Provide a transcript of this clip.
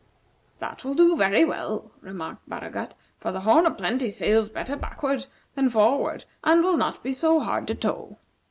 "That will do very well," remarked Baragat; "for the 'Horn o' Plenty' sails better backward than forward, and will not be so hard to tow."